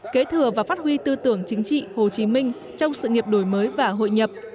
kế thừa và phát huy tư tưởng chính trị hồ chí minh trong sự nghiệp đổi mới và hội nhập